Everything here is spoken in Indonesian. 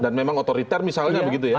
dan memang otoriter misalnya begitu ya